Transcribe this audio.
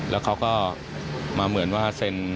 แล้วเขาก็มาเหมือนว่าเซ็น